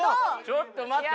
ちょっと待って。